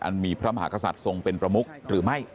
มีพระมหากษัตริย์ทรงเป็นประมุกหรือไม่